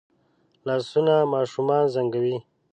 لاسونه ماشومان زنګوي